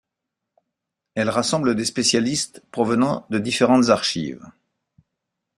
Elles rassemblent des spécialistes provenant de différentes archives.